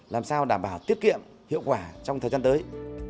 làm sao đảm bảo tiết kiệm hiệu quả trong thời gian tới